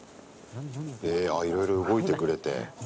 え、いろいろ動いてくれて。